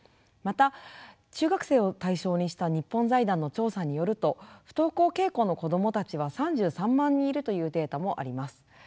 また中学生を対象にした日本財団の調査によると不登校傾向の子どもたちは３３万人いるというデータもあります。